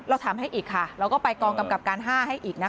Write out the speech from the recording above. ถามให้อีกค่ะเราก็ไปกองกำกับการ๕ให้อีกนะคะ